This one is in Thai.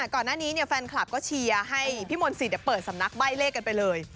ก่อนหน้านี้แฟนคลับก็เชียร์ให้พี่มนต์สิทธิ์เปิดสำนักใบ้เลขกันไปเลย